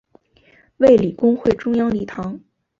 卫理公会中央礼堂。